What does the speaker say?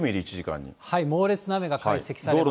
猛烈な雨が解析されまして。